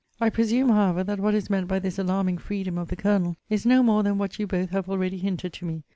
I presume, however, that what is meant by this alarming freedom of the Colonel is no more than what you both have already hinted to me.